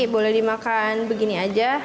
boleh dimakan begini aja